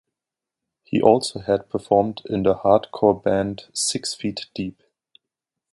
He also has performed in the hardcore band Six Feet Deep.